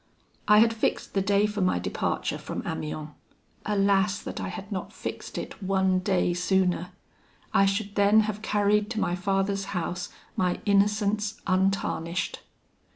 "I had fixed the day for my departure from Amiens. Alas! that I had not fixed it one day sooner! I should then have carried to my father's house my innocence untarnished.